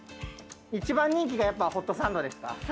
一番人気がやっぱホットサンドですか？